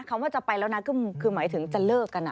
คำว่าจะไปแล้วนะก็คือหมายถึงจะเลิกกันนะ